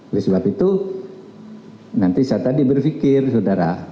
oleh sebab itu nanti saya tadi berpikir saudara